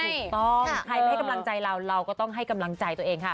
ถูกต้องใครไปให้กำลังใจเราเราก็ต้องให้กำลังใจตัวเองค่ะ